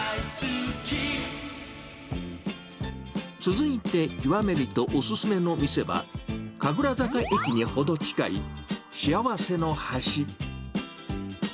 続いて極め人お勧めの店は、神楽坂駅に程近い、幸せのはし。